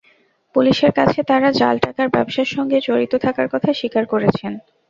পুলিশের কাছে তাঁরা জাল টাকার ব্যবসার সঙ্গে জড়িত থাকার কথা স্বীকার করেছেন।